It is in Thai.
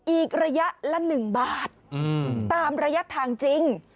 อีกระยะละหนึ่งบาทอืมตามระยะทางจริง